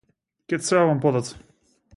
Ќе ти се јавам подоцна.